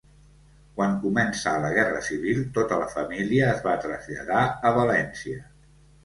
Quan començà la Guerra Civil, tota la família es va traslladar a València.